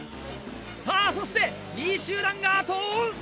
さぁそして２位集団が後を追う！